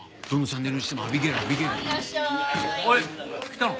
来たの？